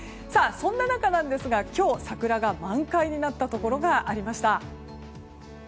そんな中なんですが今日、桜が満開になったところがありました。